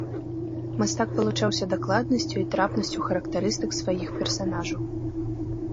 Мастак вылучаўся дакладнасцю і трапнасцю характарыстык сваіх персанажаў.